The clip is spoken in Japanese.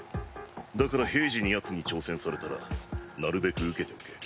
だから平時にヤツに挑戦されたらなるべく受けておけ。